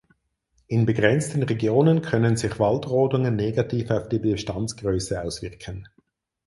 In begrenzten Regionen können sich Waldrodungen negativ auf die Bestandsgröße auswirken.